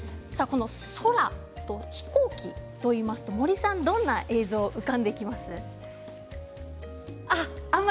空と飛行機といいますと森さん、どんな映像が浮かんできますか？